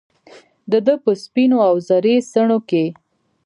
دده په سپینواوزري څڼوکې